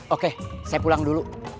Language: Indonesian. oke saya pulang dulu